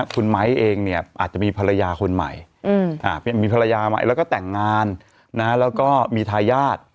คุณไม้เองอาจจะมีภรรยาคนใหม่แล้วก็แต่งงานแล้วก็มีทายาท